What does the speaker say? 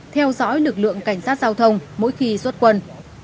theo dõi lực lượng cảnh sát giao thông mỗi khi xuất quân